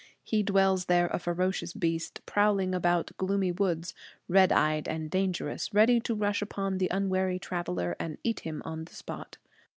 He dwells there a ferocious beast, prowling about gloomy woods, red eyed and dangerous, ready to rush upon the unwary traveler and eat him on the spot.